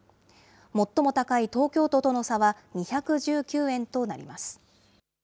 最も高い東京都との差は、２１９円となります。